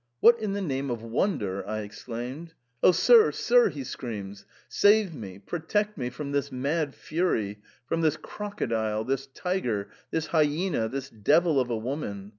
* What in the name of wonder * I exclaim. * Oh, sir ! sir !' he screams, * save me, protect me from this mad fury, from this crocodile, this tiger, this hyaena, this devil of a woman.